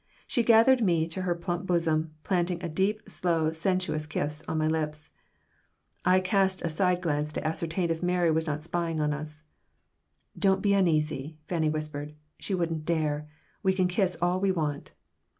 She gathered me to her plump bosom, planting a deep, slow, sensuous kiss on my lips I cast a side glance to ascertain if Mary was not spying upon us "Don't be uneasy," Fanny whispered. "She won't dare. We can kiss all we want."